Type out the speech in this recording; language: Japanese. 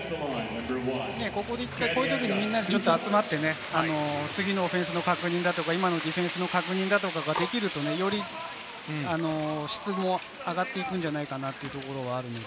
ここでこういうときにちょっと集まって次のオフェンスの確認だとか、今のディフェンスの確認だとかができると、より質も上がっていくんじゃないかなというところはあるので。